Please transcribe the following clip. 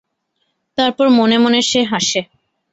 তারপর মনে মনে সে হাসে।